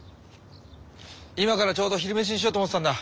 今からちょうど昼飯にしようと思ってたんだ。